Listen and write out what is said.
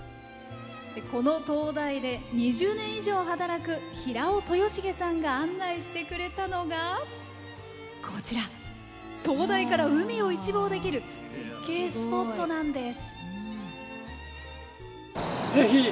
この灯台で２０年以上働く平尾豊重さんが案内してくれたのが灯台から海を一望できる絶景スポットなんです。